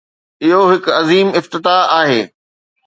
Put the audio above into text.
اهو هڪ عظيم افتتاح آهي.